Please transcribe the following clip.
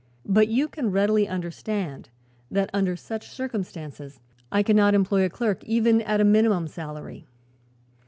But you can readily understand that under such circumstances I cannot employ a clerk, even at a minimum salary.